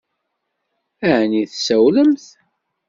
Ɛni tsawlemt?